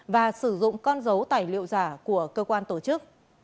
và sử dụng con dấu tài liệu giả của cơ quan tổ chức